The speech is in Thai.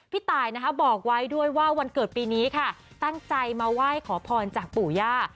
ตายนะคะบอกไว้ด้วยว่าวันเกิดปีนี้ค่ะตั้งใจมาไหว้ขอพรจากปู่ย่า